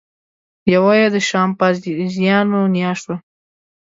یوه یې د شامپانزیانو نیا شوه.